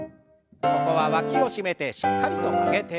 ここはわきを締めてしっかりと曲げて。